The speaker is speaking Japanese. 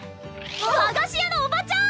和菓子屋のおばちゃん！